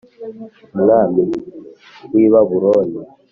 umwami w i Babuloni